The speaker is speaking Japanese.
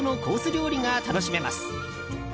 料理が楽しめます。